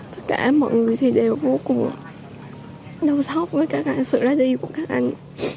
tất cả mọi người thì đều vô cùng đau xóc với sự ra đi của các anh